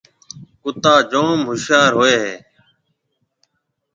ڪُتا جوم هوشيار هوئي هيَ۔